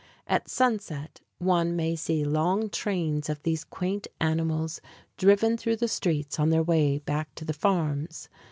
At sunset one may see long trains of these quaint animals driven through the streets on their way back to the farms.